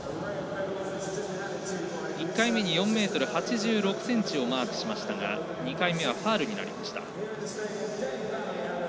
１回目に４ｍ８６ｃｍをマークしましたが２回目はファウルになりました。